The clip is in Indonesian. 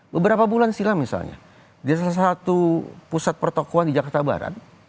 beberapa bulan silam misalnya di salah satu pusat pertokohan di jakarta barat